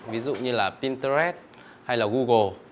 ví dụ như là pinterest hay là google